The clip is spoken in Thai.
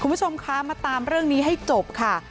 คุณผู้ชมคะมาตามเรื่องนี้ให้จบค่ะ